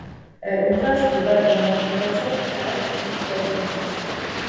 Er umfasst die beiden Landkreise Calw und Freudenstadt.